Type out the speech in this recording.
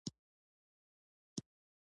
ناول د مشغلې یا ناروغ کار نه دی.